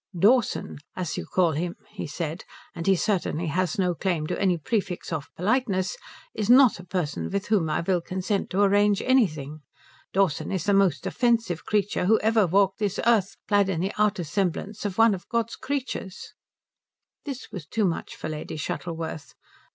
"Dawson, as you call him," he said, "and he certainly has no claim to any prefix of politeness, is not a person with whom I will consent to arrange anything. Dawson is the most offensive creature who ever walked this earth clad in the outer semblance of one of God's creatures." This was too much for Lady Shuttleworth.